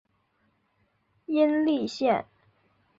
殷栗线